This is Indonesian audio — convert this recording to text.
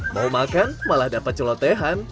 mau makan malah dapat celotehan